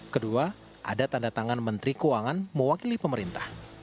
kedua ada tanda tangan menteri keuangan mewakili pemerintah